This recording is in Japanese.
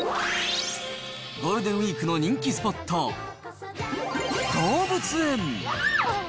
ゴールデンウィークの人気スポット、動物園。